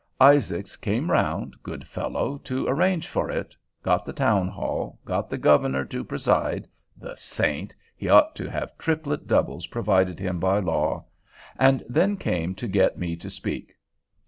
Isaacs came round, good fellow! to arrange for it—got the townhall, got the Governor to preside (the saint!—he ought to have triplet doubles provided him by law), and then came to get me to speak.